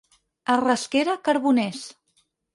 A Rasquera, carboners.